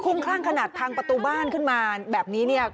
คุ้มคลั่งขนาดทางประตูบ้านขึ้นมาแบบนี้